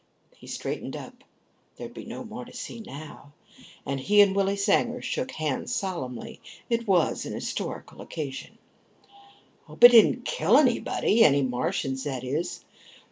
He straightened up there'd be no more to see now and he and Willie Sanger shook hands solemnly. It was an historical occasion. "Hope it didn't kill anybody. Any Martians, that is.